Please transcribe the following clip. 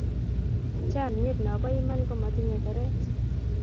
chamyet nopo iman komatinye keret